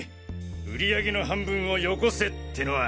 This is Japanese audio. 売り上げの半分をよこせってのは。